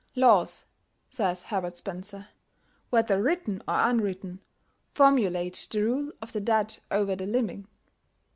"Laws," says Herbert Spencer, "whether written or unwritten, formulate the rule of the dead over the living.